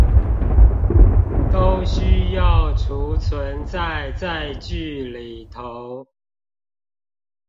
都需要儲存在載具裏頭